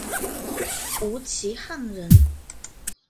吴其沆人。